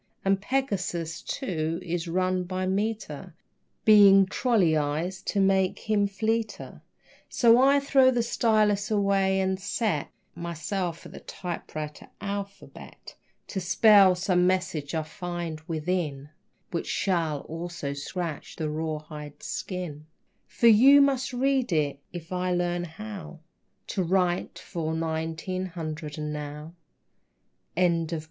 And Pegasus, too, is run by meter, Being trolleyized to make him fleeter. So I throw the stylus away and set Myself at the typewriter alphabet To spell some message I find within Which shall also scratch your rawhide skin, For you must read it, if I learn how To write for nineteen hundred and now.